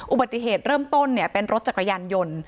อุบัติเหตุเริ่มต้นเป็นรถจักรยานยนต์